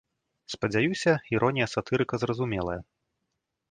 Спадзяюся, іронія сатырыка зразумелая.